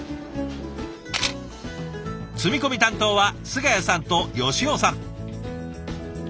積み込み担当は菅谷さんと吉尾さん。